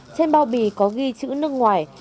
trên bao bì có ghi chữ nước ngoài